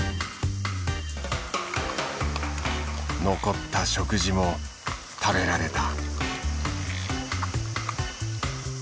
残った食事も食べられた。